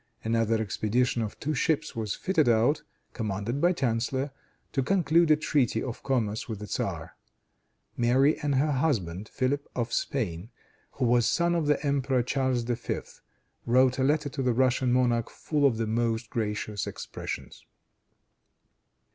Another expedition of two ships was fitted out, commanded by Chanceller, to conclude a treaty of commerce with the tzar. Mary, and her husband, Philip of Spain, who was son of the Emperor Charles V., wrote a letter to the Russian monarch full of the most gracious expressions.